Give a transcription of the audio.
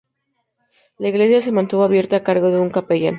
La iglesia se mantuvo abierta, a cargo de un capellán.